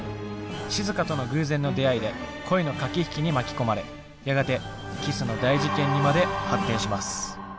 しずかとの偶然の出会いで恋の駆け引きに巻き込まれやがてキスの大事件にまで発展します。